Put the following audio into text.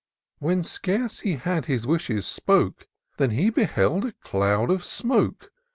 When scarce had he his wishes spoke. Than he beheld a cloud of smoke.